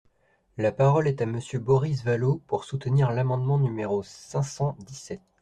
La parole est à Monsieur Boris Vallaud, pour soutenir l’amendement numéro cinq cent dix-sept.